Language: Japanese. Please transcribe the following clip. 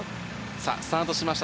さあ、スタートしました